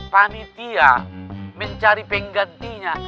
panitia mencari penggantinya